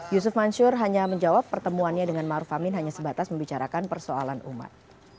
yusuf mansur hanya menjawab pertemuannya dengan maruf amin hanya sebatas membicarakan persoalan umat